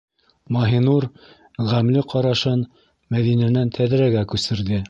- Маһинур ғәмле ҡарашын Мәҙинәнән тәҙрәгә күсерҙе.